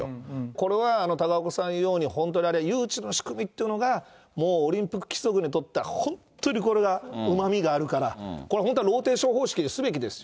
これは高岡さん言うように、本当にあれ、誘致の仕組みというのが、もうオリンピック規則にとっては本当にこれがうまみがあるから、これ本当、ローテーション方式にすべきですよ。